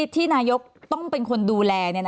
ที่นายกต้องเป็นคนดูแล